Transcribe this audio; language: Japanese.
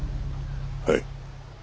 はい。